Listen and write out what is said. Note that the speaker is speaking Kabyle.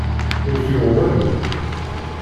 Ur k-yuɣ walu?